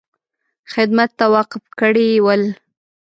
خدمت ته وقف کړي ول.